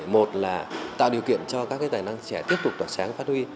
một là tạo điều kiện cho các tài năng trẻ tiếp tục tỏa sáng và phát huy